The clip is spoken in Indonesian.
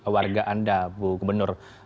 warga anda bu gubernur